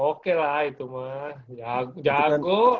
oke lah itu mah jago